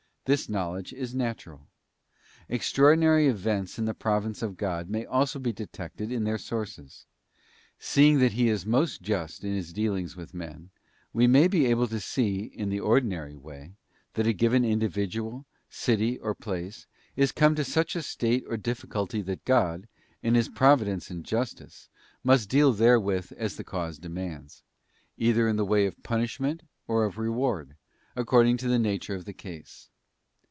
This knowledge is natural. Extraordinary events in the providence of God may also be detected in their sources. Seeing that He is most just in His dealings with men, we may be able to see, in the ordinary way, that a given individual, city, or place is come to such a state or difficulty that God, in His providence and justice, must deal Satan has knowledge of physical causes, BOOK Il. 152 THE ASCENT OF MOUNT CARMEL. therewith as the cause demands: either in the way of punish~ ment or of reward, according to the nature of the case.